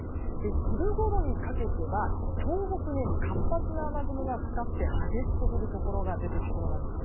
昼ごろにかけては東北に活発な雨雲がかかって激しく降るところが出てきそうなんです。